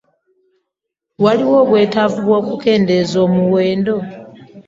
Waliwo obwetaavu bw'okukendeeza omuwendo?